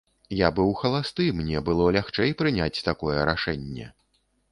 Я быў халасты, мне было лягчэй прыняць такое рашэнне.